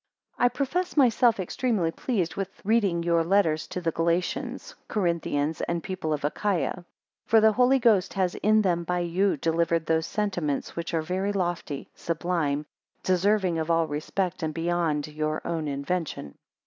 I PROFESS myself extremely pleased with the reading your letters to the Galatians, Corinthians, and people of Achaia. 2 For the Holy Ghost has in them by you delivered those sentiments which are very lofty, sublime, deserving of all respect, and beyond your own invention.